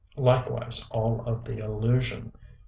Likewise all of the illusion.